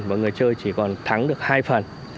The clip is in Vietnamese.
và người chơi chỉ còn thắng được hai phần